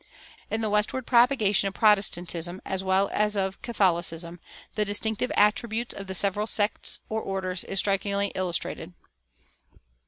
In the westward propagation of Protestantism, as well as of Catholicism, the distinctive attributes of the several sects or orders is strikingly illustrated.